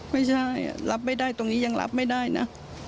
ไม่ใช่รับไม่ได้ตรงนี้ยังรับไม่ได้นะ